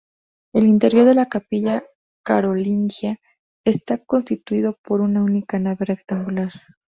El interior de la Capilla carolingia está constituido por una única nave rectangular.